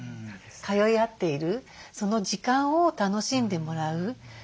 通い合っているその時間を楽しんでもらう。